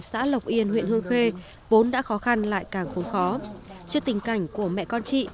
xã lộc yên huyện hương khê vốn đã khó khăn lại càng phố khó trước tình cảnh của mẹ con chị